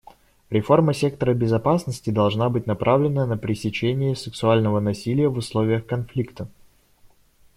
Реформа сектора безопасности должна быть направлена на пресечение сексуального насилия в условиях конфликта.